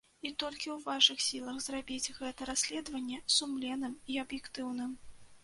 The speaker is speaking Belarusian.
І толькі ў вашых сілах зрабіць гэта расследаванне сумленным і аб'ектыўным.